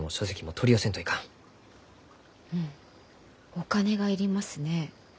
お金が要りますね。